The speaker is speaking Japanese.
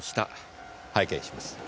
拝見します。